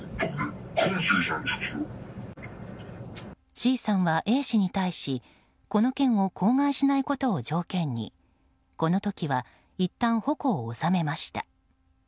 ＣさんはＡ氏に対しこの件を口外しないことを条件にこの時はいったん矛を収めました。